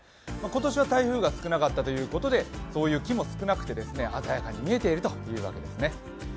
今年は台風が少なかったということで、そういう木も少なくて鮮やかに見えているわけですね。